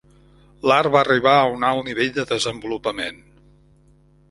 L'art va arribar a un alt nivell de desenvolupament.